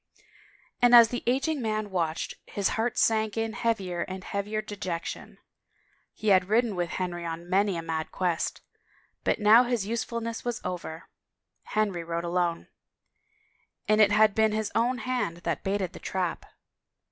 And as the ageing man watched, his heart sank in heavier and heavier dejection. He had ridden with Henry on many a mad quest ... but now his usefulness was over ... Henry rode alone. And it had been his own hand that baited the trap.